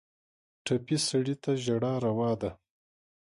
ټپي سړی ته ژړا روا ده.